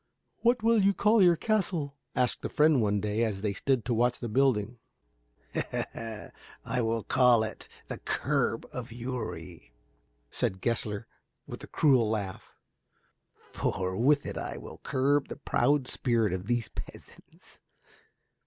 "What will you call your castle?" asked a friend one day, as they stood to watch the building. "I will call it the Curb of Uri," said Gessler, with a cruel laugh, "for with it I will curb the proud spirit of these peasants."